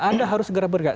anda harus segera bergerak